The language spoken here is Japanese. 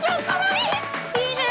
かわいい。